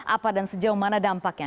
apa dan sejauh mana dampaknya